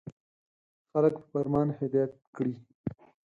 • خلک په فرمان هدایت کړئ.